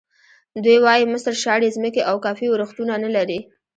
دوی وایي مصر شاړې ځمکې او کافي ورښتونه نه لري.